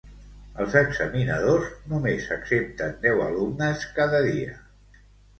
Els examinadors només accepten deu alumnes cada dia.